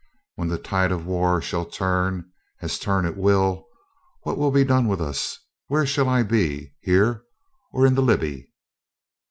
When the tide of war shall turn, as turn it will, what will be done with us? where shall I be, here or in the Libby?